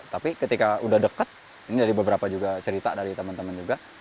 tapi ketika udah dekat ini dari beberapa juga cerita dari teman teman juga